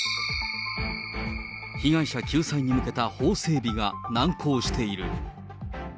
被害者救済に向けた法整備が難航している。